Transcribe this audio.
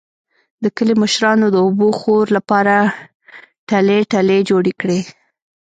د کلي مشرانو د اوبهخور لپاره ټلۍ ټلۍ جوړې کړې.